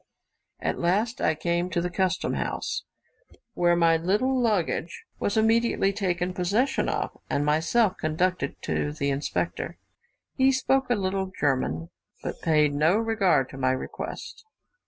At last I came to the custom house, where my little luggage was immediately taken possession of, and myself conducted to the inspector. He spoke a little German, but paid no regard to my request.